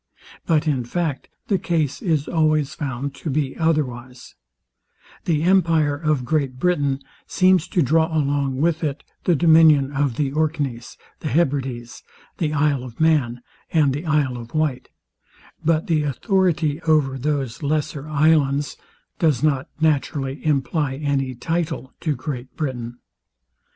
But In fact the case is always found to be otherwise, The empire of Great Britain seems to draw along with it the dominion of the Orkneys, the Hebrides, the isle of Man, and the Isle of Wight; but the authority over those lesser islands does not naturally imply any title to Great Britain.